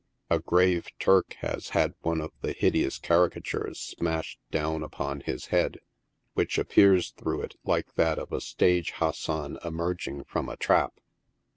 A grave Turk has had one of the hideous caricatures smashed down upon his head, which appears through it like that of a stage Hassan emerging from a trap.